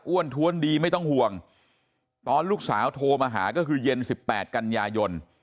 ้วนท้วนดีไม่ต้องห่วงตอนลูกสาวโทรมาหาก็คือเย็น๑๘กันยายน